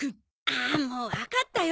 ああもうわかったよ！